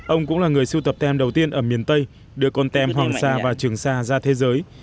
ông cũng là người sưu tập tem đầu tiên ở miền tây đưa con tem hoàng sa và trường sa ra thế giới